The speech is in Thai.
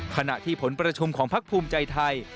ขณะที่ผลประชุมของพักภูมิใจไทย